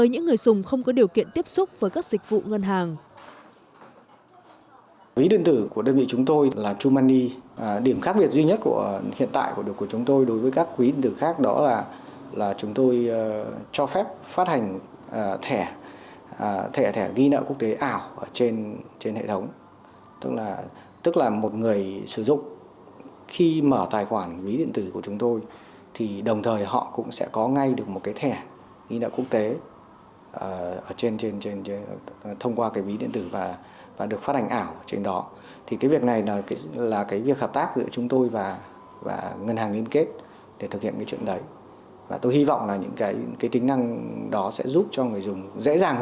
hướng tới những người dùng không có điều kiện tiếp xúc với các dịch vụ ngân hàng